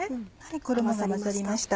衣が混ざりました。